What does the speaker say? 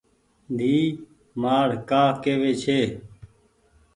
ديئي مآڙ ڪآ هووي ڇي۔